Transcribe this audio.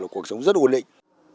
là cuộc sống rất ồn định